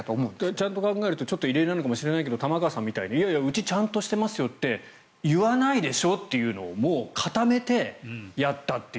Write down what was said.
ちゃんと考えるとちょっと異例なのかもしれないけど玉川さんみたいにいやいや、うちちゃんとしてますよって言わないでしょというのを固めてやったと。